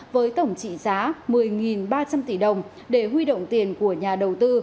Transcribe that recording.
với tổng trị giá một mươi ba trăm linh tỷ đồng để huy động tiền của nhà đầu tư